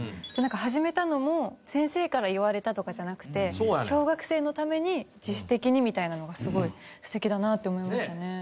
なんか始めたのも先生から言われたとかじゃなくて小学生のために自主的にみたいなのがすごい素敵だなって思いましたね。